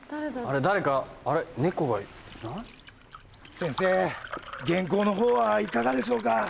先生原稿のほうはいかがでしょうか？